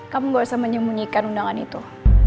kamu gak usah menyembunyikan undangan itu